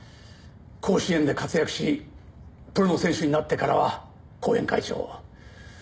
甲子園で活躍しプロの選手になってからは後援会長を。